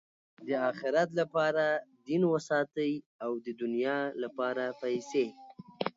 د آخرت له پاره دین وساتئ! او د دؤنیا له پاره پېسې.